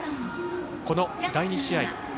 この第２試合